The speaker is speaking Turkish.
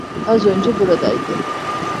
Az önce buradaydı.